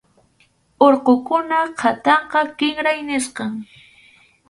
Urqukunap qhatanqa kinray nisqam.